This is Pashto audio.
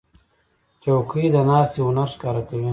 چوکۍ د ناستې هنر ښکاره کوي.